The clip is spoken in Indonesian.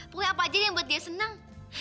pokoknya apa aja nih yang buat dia seneng